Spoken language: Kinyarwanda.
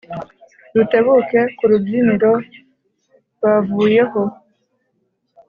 Dutebuke kuru byiniro bavuyeho